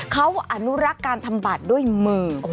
เขาอนุราการทำบาดด้วยมือ